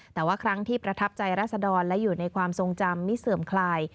แต่ว่าครั้งที่ประทับใจรัศดรและอยู่ในความทรงจำมิเสื่อมคลาย